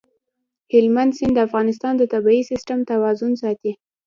هلمند سیند د افغانستان د طبعي سیسټم توازن ساتي.